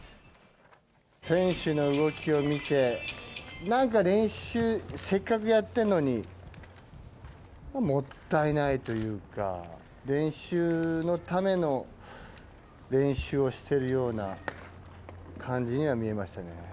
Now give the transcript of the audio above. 選手の動きを見て、なんか練習、せっかくやってんのに、もったいないというか、練習のための練習をしているような感じには見えましたね。